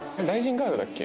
ガールだっけ？